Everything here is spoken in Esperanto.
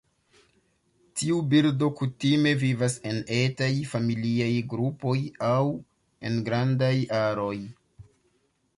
Tiu birdo kutime vivas en etaj familiaj grupoj aŭ en grandaj aroj.